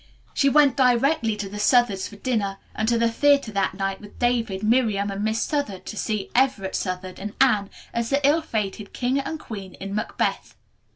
She went directly to the Southards for dinner, and to the theater that night with David, Miriam and Miss Southard to see Everett Southard and Anne as the ill fated king and queen in "Macbeth."